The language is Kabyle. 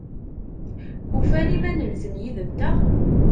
Ufan iman-nsen yid-nteɣ?